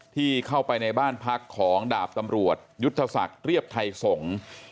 ที่เข้าไปในบ้านพักของดาบตำรวจยุทธศักดิ์เรียบไทยสงฆ์